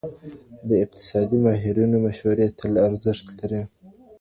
د اقتصادي ماهرینو مسورې تل ارزښت لري.